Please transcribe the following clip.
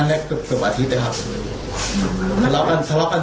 แง่คงคิดกับแต่ถึงคร้าย